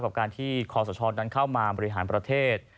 กับการที่คอสชนั้นเข้ามาบริหารประเทศ